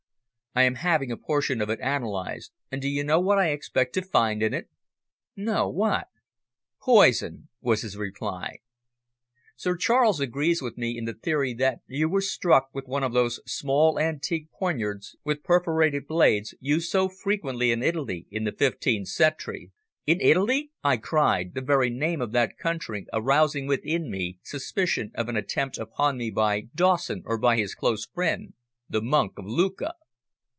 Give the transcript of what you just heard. I am having a portion of it analysed and do you know what I expect to find in it?" "No; what?" "Poison," was his reply. "Sir Charles agrees with me in the theory that you were struck with one of those small, antique poignards with perforated blades, used so frequently in Italy in the fifteenth century." "In Italy!" I cried, the very name of that country arousing within me suspicion of an attempt upon me by Dawson or by his close friend, the Monk of Lucca.